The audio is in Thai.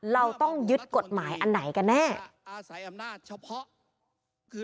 เราต้องยึดกฎหมายอันไหนกันแน่